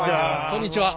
こんにちは。